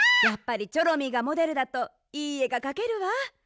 やっぱりチョロミーがモデルだといいえがかけるわ。